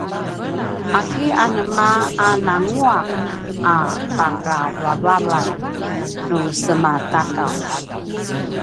’aki anema a nangua’ a pakavavavan nu semaTakaw?